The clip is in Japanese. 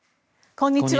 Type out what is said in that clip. こんにちは。